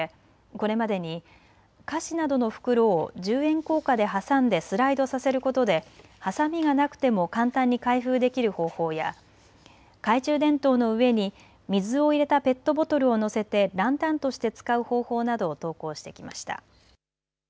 これまでに菓子などの袋を十円硬貨で挟んでスライドさせることではさみがなくても簡単に開封できる方法や懐中電灯の上に水を入れたペットボトルを乗せてランタンとして使う方法などを投稿してきました。